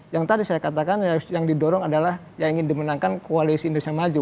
yang tadi saya katakan yang didorong adalah yang ingin dimenangkan koalisi indonesia maju